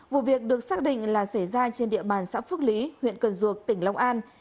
vụ việc được xác định là xảy ra trên địa bàn xã phước lý huyện cần duộc tỉnh long an